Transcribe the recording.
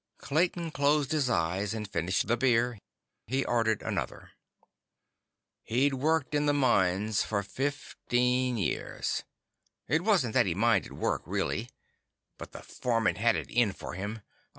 Clayton closed his eyes and finished the beer. He ordered another. He'd worked in the mines for fifteen years. It wasn't that he minded work really, but the foreman had it in for him.